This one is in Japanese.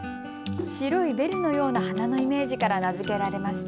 白いベルのような花のイメージから名付けられました。